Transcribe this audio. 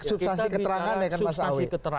substansi keterangannya kan mas awi